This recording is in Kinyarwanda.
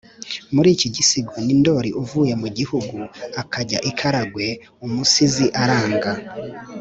muri iki gisigo ni ndoli uvuye mu gihugu akajya i karagwe umusizi aranga